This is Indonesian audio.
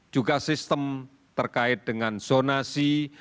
juga sistem terkait dengan zonasi